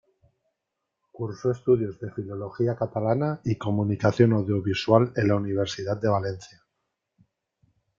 Cursó estudios de Filología Catalana y Comunicación Audiovisual en la Universidad de Valencia.